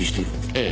ええ。